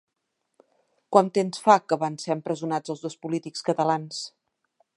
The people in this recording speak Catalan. Quant temps fa que van ser empresonats els dos polítics catalans?